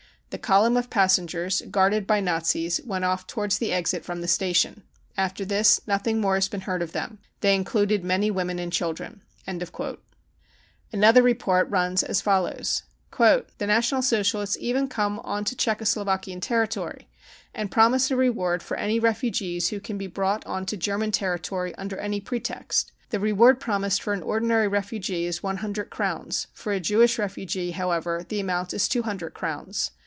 The column of passengers, guarded by Nazis, went off towards the exit from the station. After this nothing more has been * heard of them ; they included many women and children," 252 BROWN BOOK OF THE HITLER TERROR Another report runs as follows :" The National Socialists even come on to Czechoslovakian territory and promise a reward for any refugees who can be brought on to German territory under any pretext. The reward promised for an ordinary refugee is one hundred crowns, for a Jewish refugee, however, the amount is two hundred crowns.